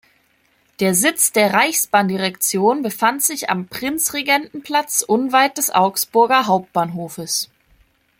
Der Sitz der Reichsbahndirektion befand sich am Prinzregentenplatz unweit des Augsburger Hauptbahnhofes.